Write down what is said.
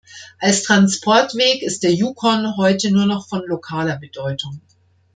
Als Transportweg ist der Yukon heute nur noch von lokaler Bedeutung.